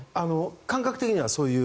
感覚的にはそういう。